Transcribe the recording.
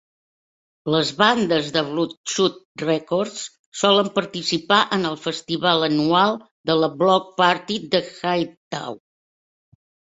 Les bandes de Bloodshot Records solen participar en el festival anual de la Block Party de Hideout.